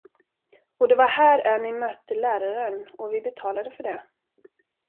Och det var här Annie mötte läraren, och vi betalade för det.